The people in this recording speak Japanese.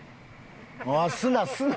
すなすな！